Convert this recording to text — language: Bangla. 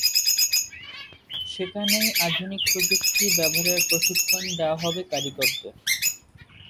সেখানেই আধুনিক প্রযুক্তির ব্যবহারের প্রশিক্ষণ দেওয়া হবে কারিগরদের।